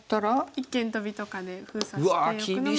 一間トビとかで封鎖しておくのも。